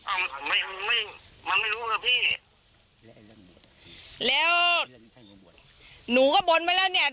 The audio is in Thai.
อ่าไม่ไม่มันไม่รู้ค่ะพี่แล้วหนูก็บ้อนไปแล้วเนี่ย